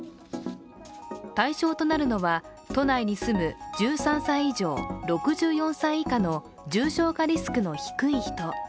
対象となるのは、都内に住む１３歳以上６４歳以下の重症化リスクの低い人。